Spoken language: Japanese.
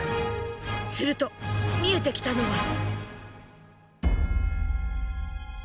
すると見えてきたのは。